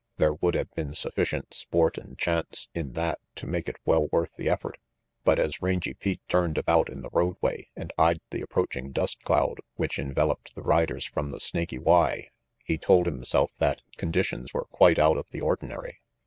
There would have been sufficient sport and chance in that to make it well worth the effort, but as Rangy Pete turned about in the roadway and eyed the approaching dust cloud which enveloped the riders from the Snaky Y, 48 RANGY PETE he told himself that conditions were quite out of the ordinary.